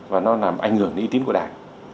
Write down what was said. và nó làm ảnh hưởng đến uy tín của đảng